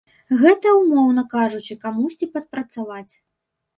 Гэта, умоўна кажучы, камусьці падпрацаваць.